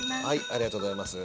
ありがとうございます。